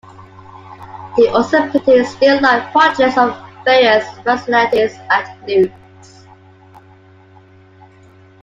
He also painted still life, portraits of various personalities, and nudes.